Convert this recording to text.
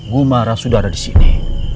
gumara sudah ada disini